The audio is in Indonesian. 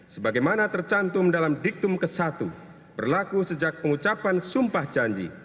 sebagaimana tercantum dalam diktum ke satu berlaku sejak pengucapan sumpah janji